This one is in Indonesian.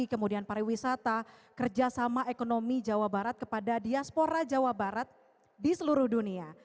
kemudian pariwisata kerjasama ekonomi jawa barat kepada diaspora jawa barat di seluruh dunia